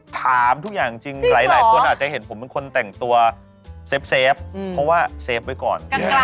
ถามทุกอย่างจริงหลายคนอาจจะเห็นผมเป็นคนแต่งตัวเซฟเพราะว่าเซฟไว้ก่อน